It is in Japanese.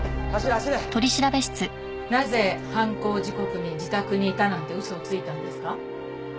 なぜ犯行時刻に自宅にいたなんて嘘をついたんですか？